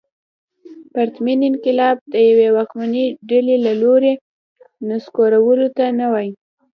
پرتمین انقلاب د یوې واکمنې ډلې له لوري نسکورولو ته نه وايي.